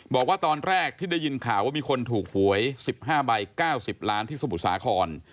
บอกว่าตอนแรกที่ได้ยินข่าวว่ามีคนถูกหวย๑๕ใบ๙๐ล้านที่สมุทรสาคร